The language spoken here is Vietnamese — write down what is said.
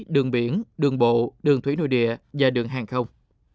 đường biển đường bộ đường thủy nội địa và đường hàng không